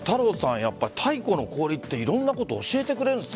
やっぱり太古の氷っていろんなことを教えてくれるんですね。